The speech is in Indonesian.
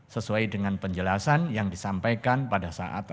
sesuai dengan penjelasan yang disampaikan pada saat